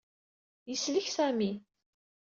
Yeslek Sami.